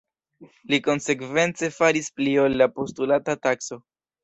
Li konsekvence faris pli ol la postulata takso.